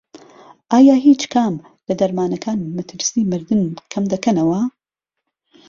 ئایا هیچ کام لە دەرمانەکان مەترسی مردن کەمدەکەنەوە؟